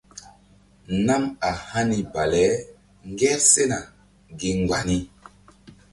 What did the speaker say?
Nam a hani bale ŋger sena gi mgba ni.